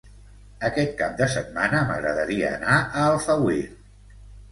Aquest cap de setmana m'agradaria anar a Alfauir.